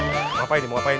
mau ngapain nih mau ngapain